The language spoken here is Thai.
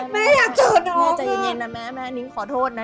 แม่อยากเจอนะแม่ใจเย็นนะแม่แม่นิ้งขอโทษนะ